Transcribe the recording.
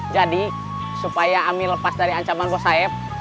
jadi supaya ami lepas dari ancaman bos saeb